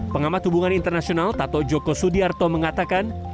pengamat hubungan internasional tato joko sudiarto mengatakan